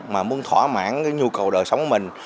mà muốn thỏa mãn nhu cầu đời sống của mình